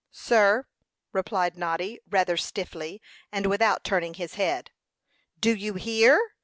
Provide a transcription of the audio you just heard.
"Sir," replied Noddy rather stiffly, and without turning his head. "Do you hear?"